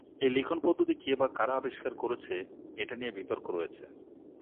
এই লিখন পদ্ধতি কে বা কারা আবিষ্কার করেছে এটা নিয়ে বিতর্ক রয়েছে।